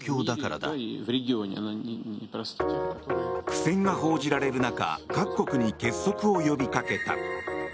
苦戦が報じられる中各国に結束を呼びかけた。